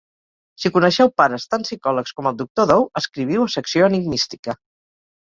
Si coneixeu pares tan psicòlegs com el doctor Dou, escriviu a Secció Enigmística.